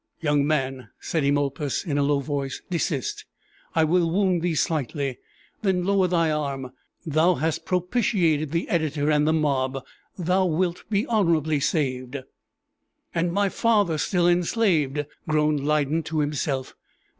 "Young man," said Eumolpus, in a low voice, "desist; I will wound thee slightly then lower thy arm; thou hast propitiated the editor and the mob thou wilt be honorably saved!" "And my father still enslaved!" groaned Lydon to himself.